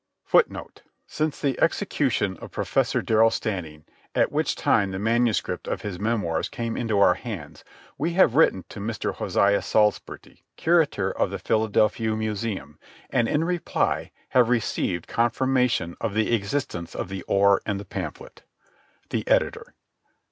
Since the execution of Professor Darrell Standing, at which time the manuscript of his memoirs came into our hands, we have written to Mr. Hosea Salsburty, Curator of the Philadelphia Museum, and, in reply, have received confirmation of the existence of the oar and the pamphlet.—THE EDITOR.